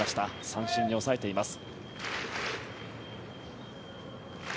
三振に抑えています。